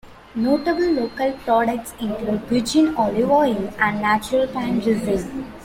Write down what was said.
Notable local products include virgin olive oil and natural pine resin.